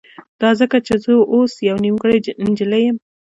دا ځکه چې زه اوس يوه نيمګړې نجلۍ يم.